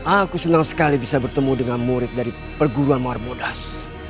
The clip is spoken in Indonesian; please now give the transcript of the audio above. aku senang sekali bisa bertemu dengan murid dari perguruan mawar mudas